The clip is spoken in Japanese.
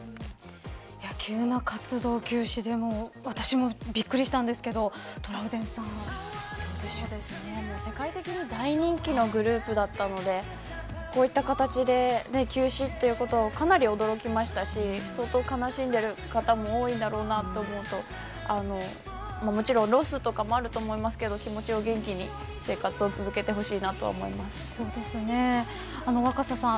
急な活動休止で私もびっくりしたんですけど世界的に大人気のグループだったのでこういった形で休止ということはかなり驚きましたし相当悲しんでいる方も多いんだろうなと思うともちろんロスとかもあると思いますけど気持ちを元気に生活を続けてほしいな若狭さん